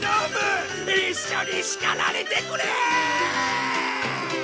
一緒に叱られてくれ！